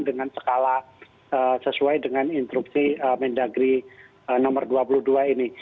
dengan skala sesuai dengan instruksi mendagri nomor dua puluh dua ini